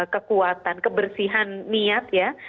kekuatan kebersihan niat ya